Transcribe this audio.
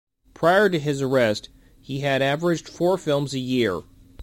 Prior to his arrest, he had averaged four films a year.